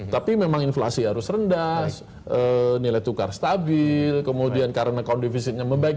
tapi memang inflasi harus rendah nilai tukar stabil kemudian karena account defisitnya membaik